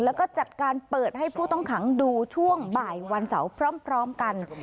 แล้วก็จัดการเปิดให้ผู้ต้องขังดูช่วงบ่ายวันเสาร์พร้อมกัน